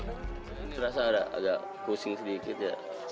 terasa ada agak pusing sedikit ya